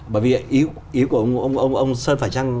bởi vì ý của ông sơn phải chăng